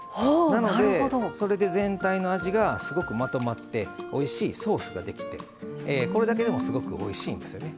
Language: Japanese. なのでそれで全体の味がすごくまとまっておいしいソースができてこれだけでもすごくおいしいんですよね。